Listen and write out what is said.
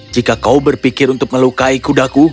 jika kau berpikir untuk melukai kudaku